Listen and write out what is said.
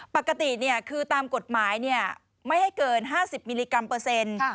ปกติคือตามกฎหมายไม่ให้เกิน๕๐มิลลิกรัมเปอร์เซ็นต์